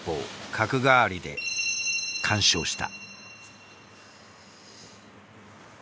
角換わりで完勝した。